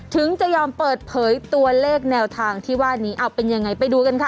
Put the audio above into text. ถึงจะยอมเปิดเผยตัวเลขแนวทางที่ว่านี้เอาเป็นยังไงไปดูกันค่ะ